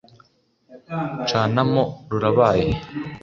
canamo rurabaye